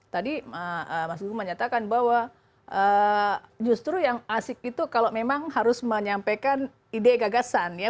tadi mas dukung menyatakan bahwa justru yang asik itu kalau memang harus menyampaikan ide gagasan ya